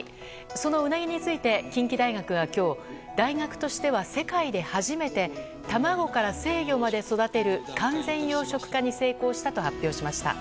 そのウナギについて近畿大学が、今日大学としては世界で初めて卵から成魚まで育てる完全養殖化に成功したと発表しました。